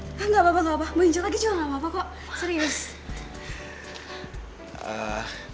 gak apa apa gak apa mau injek lagi juga gak apa apa kok serius